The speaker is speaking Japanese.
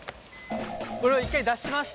これを一回出しまして。